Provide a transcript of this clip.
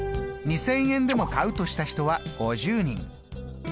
２０００円でも買うとした人は５０人。